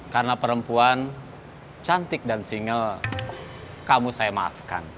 karena perempuan cantik dan single kamu saya maafkan